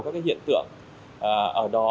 các cái hiện tượng ở đó